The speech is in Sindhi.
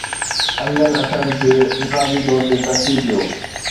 انگن اکرن کي انفرادي طور تي ترتيب ڏيو